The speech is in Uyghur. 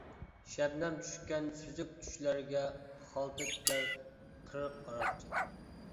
شەبنەم چۈشكەن سۈزۈك چۈشلەرگە، خالتا تىكەر قىرىق قاراقچى.